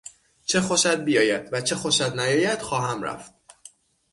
چه خوشت بیاید و چه خوشت نیاید خواهم رفت.